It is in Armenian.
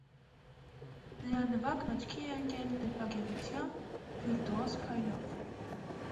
Նրա նվագն աչքի է ընկել նրբագեղությամբ, վիրտուոզ փայլով։